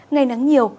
ngày nắng nhiều